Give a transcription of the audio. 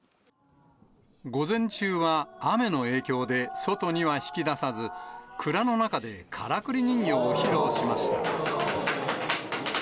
午前中は雨の影響で外にはひき出さず、倉の中でからくり人形を披露しました。